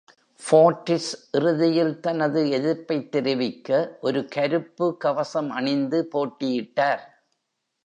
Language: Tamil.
ஃபோர்டிஸ் இறுதியில் தனது எதிர்ப்பைத் தெரிவிக்க ஒரு கருப்பு கவசம் அணிந்து போட்டியிட்டார்.